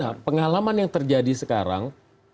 nah pengalaman yang terjadi sekarang